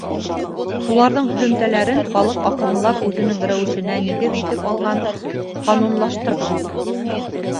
Шуларҙың һөҙөмтәләрен халыҡ аҡрынлап үҙенең рәүешенә нигеҙ итеп алған, ҡанунлаштырған.